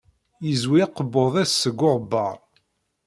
Yezwi akebbuḍ-is seg uɣebbar.